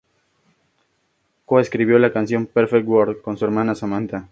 Coescribió la canción "Perfect World" con su hermana Samantha.